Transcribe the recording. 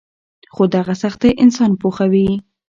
خو دغه سختۍ انسان پوخوي.